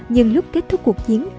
nhưng lúc kết thúc cuộc chiến